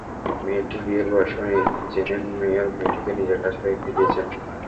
মেয়েটির বিয়ের বয়স হয়নি জেনে মেয়র মেয়েটিকে নিজের কাছে রেখে দিয়েছিলেন।